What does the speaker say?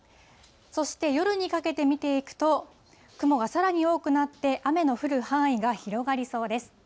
そして夜にかけて見ていくと、雲がさらに多くなって、雨の降る範囲が広がりそうです。